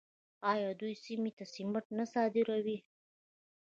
آیا دوی سیمې ته سمنټ نه صادروي؟